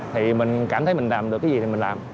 thì mình cảm thấy mình làm được cái gì thì mình làm